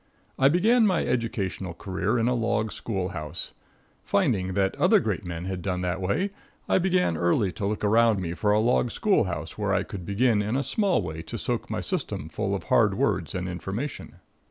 I began my educational career in a log school house. Finding that other great men had done that way, I began early to look around me for a log school house where I could begin in a small way to soak my system full of hard words and information.